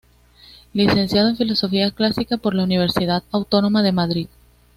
Licenciado en Filología Clásica por la Universidad Autónoma de Madrid.